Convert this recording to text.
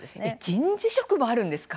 人事職もあるんですか。